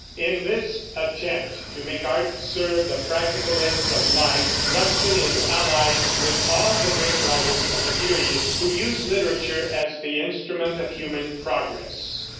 In this attempt to make art serve the practical ends of life, Ruskin is allied with all the great writers of the period, who use literature as the instrument of human progress.